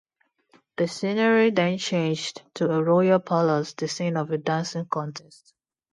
The scenery then changed to a royal palace, the scene of a dancing contest.